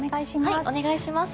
お願いします。